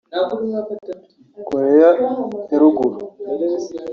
Koreya ya Ruguru